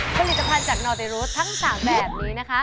ผลิตภัณฑ์จากหนอตี้รูซทั้งสามแบบนี้นะคะ